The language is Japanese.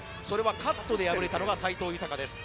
カットで敗れたのが斎藤裕です。